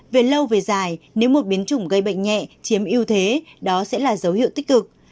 về lâu về dài nếu một biến chủng gây bệnh nhẹ chiếm ưu thế đó sẽ là dấu hiệu tích cực